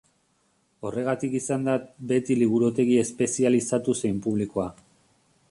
Horregatik izan da beti liburutegi espezializatu zein publikoa.